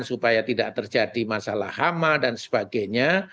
supaya tidak terjadi masalah hama dan sebagainya